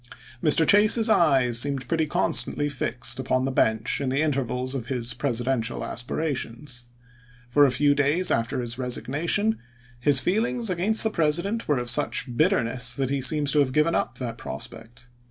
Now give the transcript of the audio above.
Mr. Chase's eyes seemed pretty constantly fixed upon the bench in the intervals of his Presidential aspirations. For a few days after his resignation 388 ABRAHAM LINCOLN ch. xvn. his feelings against the President were of such bitterness that he appears to have given up that prospect.